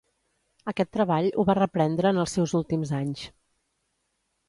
Aquest treball ho va reprendre en els seus últims anys.